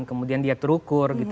kemudian dia terukur